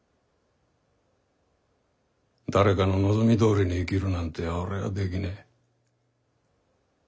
誰かの望みどおりに生きるなんて俺はできねえ。